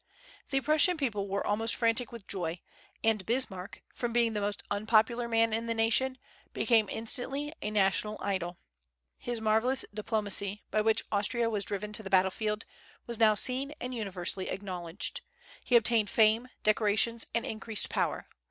The Prussian people were almost frantic with joy; and Bismarck, from being the most unpopular man in the nation, became instantly a national idol. His marvellous diplomacy, by which Austria was driven to the battlefield, was now seen and universally acknowledged. He obtained fame, decorations, and increased power.